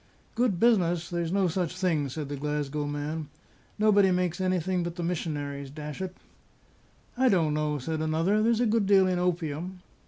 "Good business! There's no such a thing!" said the Glasgow man. "Nobody makes anything but the missionaries dash it!" "I don't know," said another. "There's a good deal in opium."